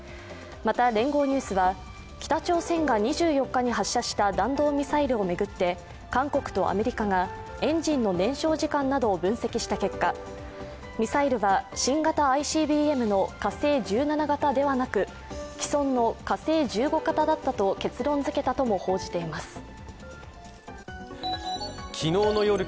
また、聯合ニュースは北朝鮮が２４日に発射した弾道ミサイルを巡って韓国とアメリカが、エンジンの燃焼時間などを分析した結果、ミサイルは新型ＩＣＢＭの火星１７型ではなく既存の火星１５型だったと結論づけたとも報じています。